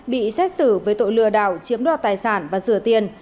bị xét xử với tội lừa đảo chiếm đoạt tài sản và rửa tiền